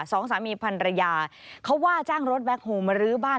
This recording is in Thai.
สองสามีพันรยาเขาว่าจ้างรถแบ็คโฮลมารื้อบ้าน